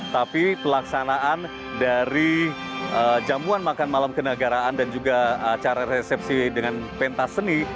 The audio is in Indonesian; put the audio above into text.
tapi pelaksanaan dari jamuan makan malam kenegaraan dan juga acara resepsi dengan pentas seni